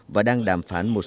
và đang đàm phán mối quan hệ